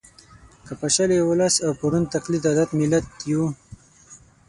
که پاشلی ولس او په ړوند تقلید عادت ملت یو